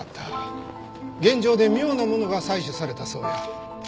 現場で妙なものが採取されたそうや。